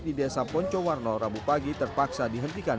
di desa poncowarno rabu pagi terpaksa dihentikan